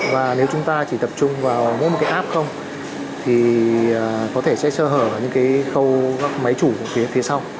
và nếu chúng ta chỉ tập trung vào mỗi một cái app không thì có thể sẽ sơ hở vào những cái khâu các máy chủ phía phía sau